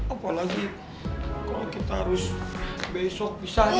apalagi kalau kita harus besok bisa